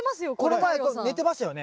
この前寝てましたよね？